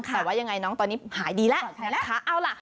แต่ว่ายังไงน้องตอนนี้หายดีละ